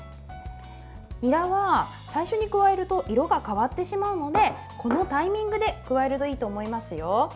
にらは、最初に加えると色が変わってしまうのでこのタイミングで加えるといいと思いますよ。